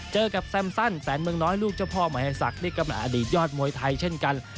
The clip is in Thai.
เจอกับแซมซั่นแสนเมืองน้อยลูกเจ้าพ่อมหาศักดิ์นี่ก็เป็นอดีตยอดมวยไทยเช่นกัน